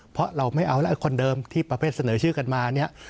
เพราะเราไม่เอาแล้วคนเดิมที่ประเภทเสนอชื่อกันมาเนี่ย